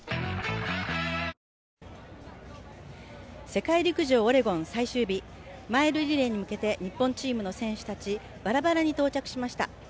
世界陸上オレゴン最終日、マイルリレーに向けて日本チームの選手たちバラバラに到着しました。